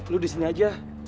lo di sini aja